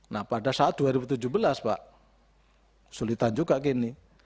nah pada saat dua ribu tujuh belas pak sulitan juga gini